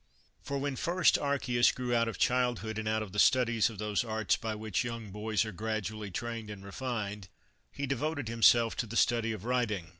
For when first Archias grew out of childhood, and out of the studies of those arts by which young boys are gradually trained and refined, he devoted himself to the study of writing.